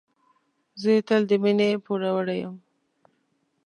زه یې تل د مینې پوروړی یم.